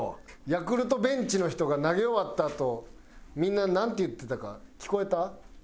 ヤクルトベンチの人が投げ終わったあとみんななんて言ってたか聞こえた？